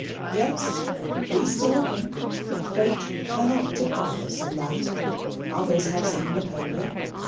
Yes, we saw him. Fate cannot deprive us of THAT. Others have seen Napoleon.